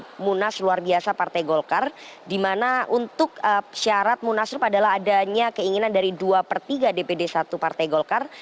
ada munas luar biasa partai golkar di mana untuk syarat munaslup adalah adanya keinginan dari dua per tiga dpd satu partai golkar